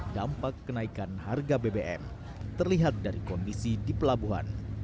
dampak kenaikan harga bbm terlihat dari kondisi di pelabuhan